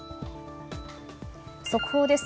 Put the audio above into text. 速報です。